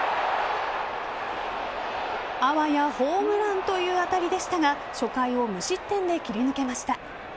あわやホームランという当たりでしたが初回を無失点で切り抜けました。